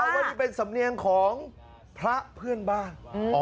ว่านี่เป็นสำเนียงของพระเพื่อนบ้าน